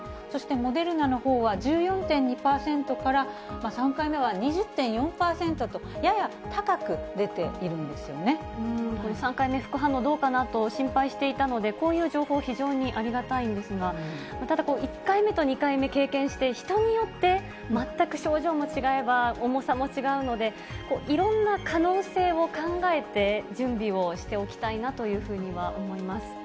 そしてモデルナのほうは１４．２％から、３回目は２０．４％と、これ、３回目、副反応どうかなぁ？と心配していたので、こういう情報、非常にありがたいんですが、ただ、１回目と２回目経験して、人によって全く症状も違えば、重さも違うので、いろんな可能性を考えて、準備をしておきたいなというふうには思います。